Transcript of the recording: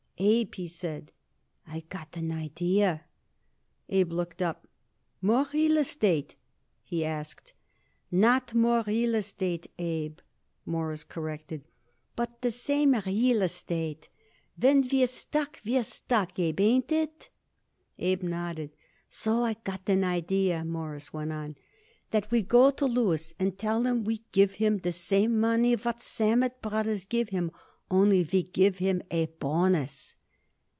"Abe," he said, "I got an idea." Abe looked up. "More real estate?" he asked. "Not more real estate, Abe," Morris corrected, "but the same real estate. When we're stuck we're stuck, Abe, ain't it?" Abe nodded. "So I got an idea," Morris went on, "that we go to Louis and tell him we give him the same money what Sammet Brothers give him, only we give him a bonus."